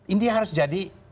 ini harus jadi